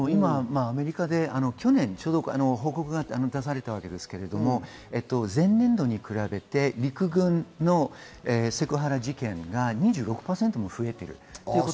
アメリカで去年ちょうど報告が出されたわけですが、前年度に比べて陸軍のセクハラ事件が２６％も増えています。